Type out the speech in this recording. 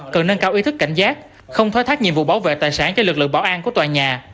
cần nâng cao ý thức cảnh giác không thoái thác nhiệm vụ bảo vệ tài sản cho lực lượng bảo an của tòa nhà